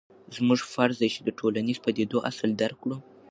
زموږ فرض دی چې د ټولنیزو پدیدو اصل درک کړو.